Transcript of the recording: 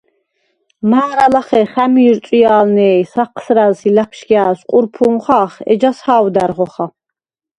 მა̄რა ლახე ხა̈მვი̄რწვჲა̄ლვნე ი საჴსრა̈რს ი ლა̈ფშგა̄̈ლს ყურფუ̄ნ ხა̄რხ, ეჯას ჰა̄ვდა̈რ ხოხა.